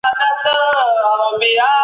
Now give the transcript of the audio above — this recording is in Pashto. دروغجن حافظه نلري.